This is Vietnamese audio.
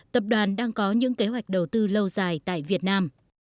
tập đoàn đang có những kế hoạch đầu tư lâu dài tại việt nam